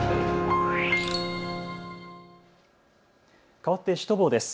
かわってシュトボーです。